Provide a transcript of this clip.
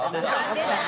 出た！